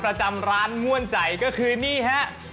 ประจำร้านม่วนใจก็คือนี่ฮะ